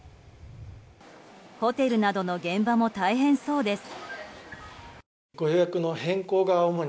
ホテルなどの現場も大変そうです。